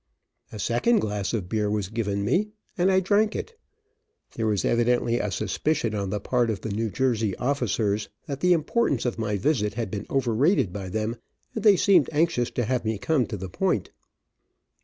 A second glass of beer was given me, and I drank it. There was evidently a suspicion on the part of the New Jersey officers that the importance of my visit had been over rated by them, and they seemed anxious to have me come to the point.